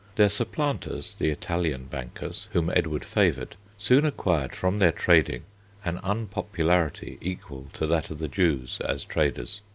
Their supplanters, the Italian bankers, whom Edward favoured, soon acquired from their trading an unpopularity equal to that of the Jews as traders.